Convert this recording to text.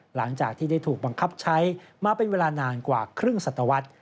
หลังจากที่ได้ถูกบังคับใช้มาเป็นเวลานานกว่าครึ่งสัตวรรษ